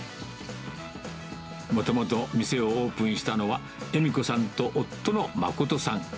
もともと、店をオープンしたのは、恵美子さんと夫の誠さん。